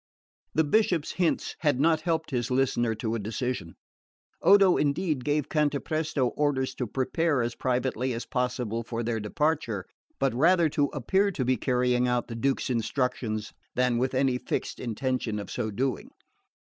The Bishop's hints had not helped his listener to a decision. Odo indeed gave Cantapresto orders to prepare as privately as possible for their departure; but rather to appear to be carrying out the Duke's instructions than with any fixed intention of so doing.